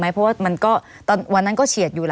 ไม่มีครับไม่มีครับ